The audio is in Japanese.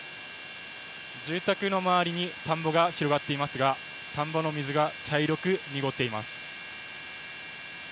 住宅の周りに田んぼが広がっていますが、田んぼの水が茶色く濁っています。